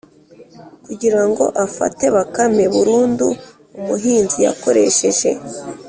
kugira ngo afate bakame burundu umuhinzi yakoresheje